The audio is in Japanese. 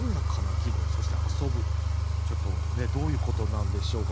ちょっとどういうことなんでしょうか？